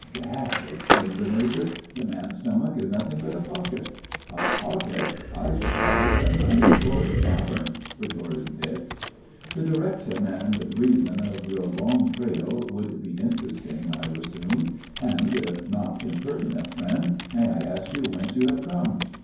"Gad!" exclaimed the major, "the man's stomach is nothing but a pocket." "A pocket! I should call it an unexplored cavern!" retorted Dick. "The direction and reason of your long trail would be interesting," I resumed. "And, if not impertinent, friend, may I ask you whence you have come?"